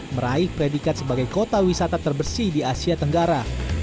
meraih predikat sebagai kota wisata terbersih di asia tenggara